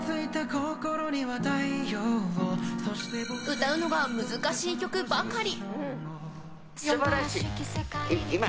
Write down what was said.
歌うのが難しい曲ばかり。